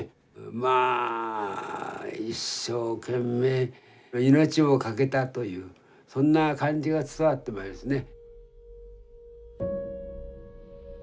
まあ一生懸命命を懸けたというそんな感じが伝わってまいりますね。